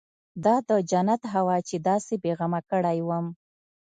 دا د جنت هوا چې داسې بې غمه کړى وم.